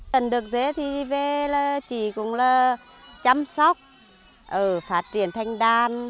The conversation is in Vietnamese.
cần được dê thì về là chỉ cũng là chăm sóc phát triển thanh đan